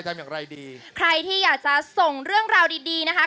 ทำอย่างไรดีใครที่อยากจะส่งเรื่องราวดีดีนะคะ